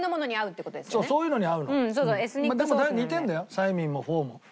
サイミンもフォーも。